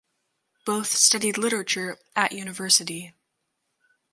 Both studied literature at university.